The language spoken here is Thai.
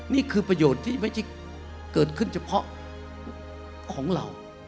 นี่คือประโยชน์ที่ไม่ใช่เกิดขึ้นเฉพาะของเรา